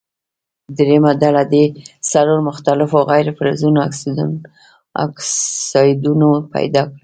دریمه ډله دې څلور مختلفو غیر فلزونو اکسایدونه پیداکړي.